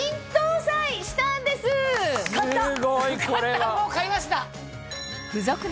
買ったもう買いました。